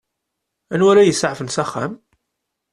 Anwa ara iyi-isaɛfen s axxam?